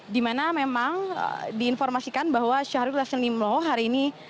di mana memang diinformasikan bahwa syahrul yassin limpo hari ini